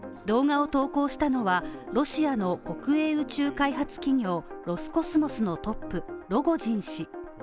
動画を投稿したのは、ロシアの国営宇宙開発企業・ロスコスモスのトップ、ロゴジン氏。